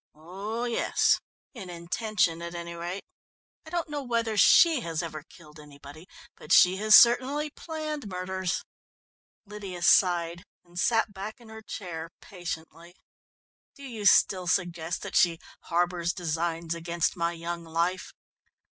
"Oh yes in intention, at any rate. I don't know whether she has ever killed anybody, but she has certainly planned murders." Lydia sighed and sat back in her chair patiently. "Do you still suggest that she harbours designs against my young life?"